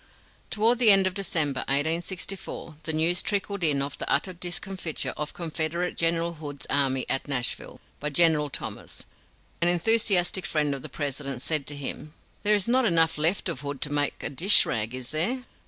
Toward the end of December, 1864, the news trickled in of the utter discomfiture of Confederate General Hood's army at Nashville, by General Thomas. An enthusiastic friend of the President said to him: "There is not enough left of Hood to make a dish rag, is there?"